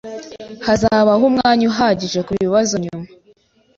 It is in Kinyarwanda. Hazabaho umwanya uhagije kubibazo nyuma.